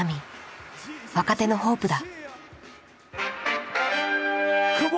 若手のポープだ。